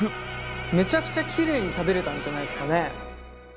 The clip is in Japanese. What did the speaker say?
めちゃくちゃキレイに食べれたんじゃないですかね。